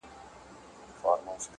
• که غچيدله زنده گي په هغه ورځ درځم.